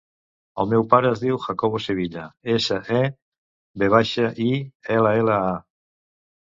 El meu pare es diu Jacobo Sevilla: essa, e, ve baixa, i, ela, ela, a.